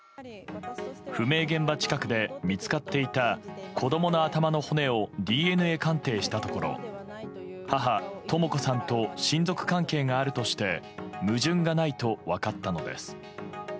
不明現場近くで見つかっていた子供の頭の骨をＤＮＡ鑑定したところ母・とも子さんと親族関係があるとして矛盾がないと分かったのです。